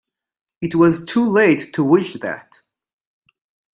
It was too late to wish that!